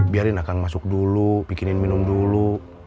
biarin akan masuk dulu bikinin minum dulu